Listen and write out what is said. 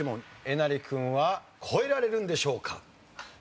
えなり君は越えられるんでしょうか？